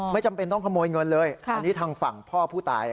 จำเป็นต้องขโมยเงินเลยอันนี้ทางฝั่งพ่อผู้ตาย